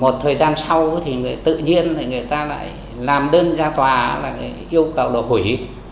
thời gian sau thì người tự nhiên là người ta lại làm đơn ra tòa là yêu cầu là hủy